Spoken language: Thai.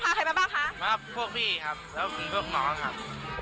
พาใครมาบ้างคะพวกพี่ครับแล้วก็พวกน้องครับอ๋อ